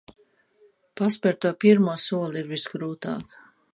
Paspert to pirmo soli ir visgrūtāk.